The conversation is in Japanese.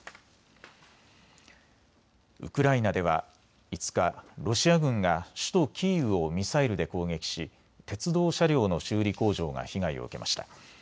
ウクライナでは５日、ロシア軍が首都キーウをミサイルで攻撃し鉄道車両の修理工場が被害を受けました。